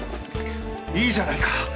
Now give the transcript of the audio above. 「いいじゃないか」